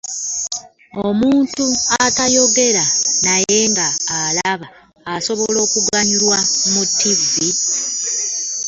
Omuntu atayogera naye nga alaba asobola okuganyulwamu mu ttivi.